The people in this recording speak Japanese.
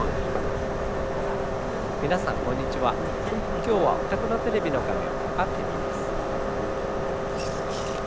きょうはおたくのテレビのがめんをはかってみます。